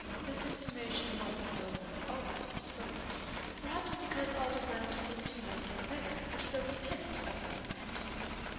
This information was, however, always postponed, perhaps because Aldobrand hoped he might get better and so repent of his repentance.